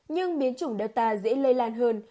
nhưng biến chủng delta dễ lây lan hơn